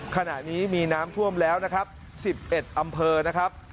ขณะนี้มีน้ำท่วมแล้วนะครับ๑๑อำเภอนะครับ